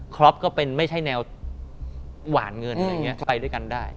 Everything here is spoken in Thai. ครอปก็เป็นไม่ใช่แนวหวานเงินไปด้วยกันได้